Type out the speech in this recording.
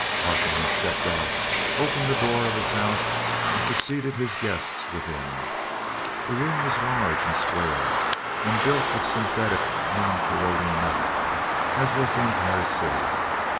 Carfon stepped out, opened the door of his house, and preceded his guests within. The room was large and square, and built of a synthetic, non corroding metal, as was the entire city.